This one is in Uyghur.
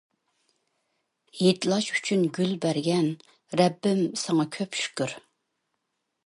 ھىدلاش ئۈچۈن گۈل بەرگەن، رەببىم ساڭا كۆپ شۈكۈر.